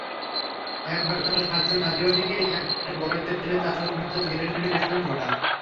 একবার তাঁরা সাতজন আদিবাসীকে একটা গর্তে ফেলে তার ভেতর গ্রেনেডের বিস্ফোরণ ঘটান।